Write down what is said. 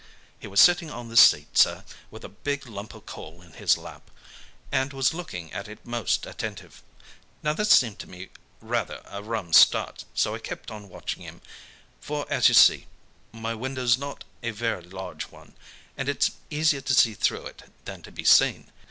He was sitting on the seat, sir, with a big lump o' coal in his lap, and was a looking at it most attentive. Now this seemed to me rather a rum start, so I kept on watching of him, for as you'll see, my window's not a very large one, and it's easier to see through it than to be seen.